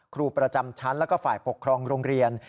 ครูประจำชั้นแล้วก็ฝ่ายปกครองโรงเรียน